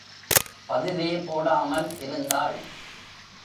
பதிலே போடாமல் இருந்தாள்.